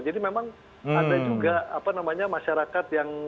jadi memang ada juga masyarakat yang